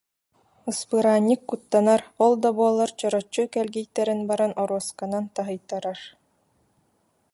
Ыспыраанньык куттанар, ол да буоллар чороччу кэлгийтэрэн баран оруосканан таһыйтарар